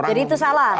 jadi itu salah